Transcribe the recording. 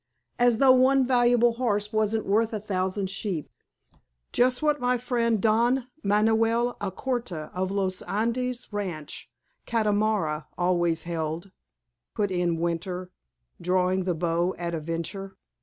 "As though one valuable horse wasn't worth a thousand sheep." "Just what my friend, Don Manoel Alcorta, of Los Andes ranch, Catamarca, always held," put in Winter, drawing the bow at a venture.